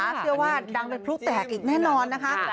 เชื่อว่าดังเป็นพลุแตกอีกแน่นอนนะคะ